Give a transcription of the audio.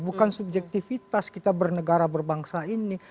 bukan subjektivitas kita bernegara berbangsa ini